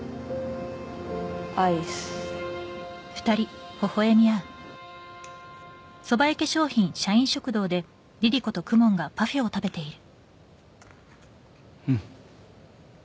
アイスうん